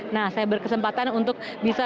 nah saya berkesempatan untuk bisa